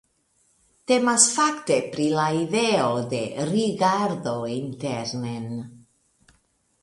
Temas fakte pri la ideo de «rigardo internen».